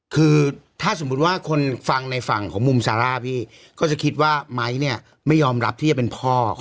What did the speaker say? คือถ้าสมมุติว่าคนฟังในฝั่งของมุมซาร่าพี่ก็จะคิดว่าไม้เนี่ยไม่ยอมรับที่จะเป็นพ่อ